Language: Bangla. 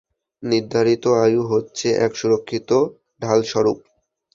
নির্ধারিত আয়ু হচ্ছে এক সুরক্ষিত ঢালস্বরূপ।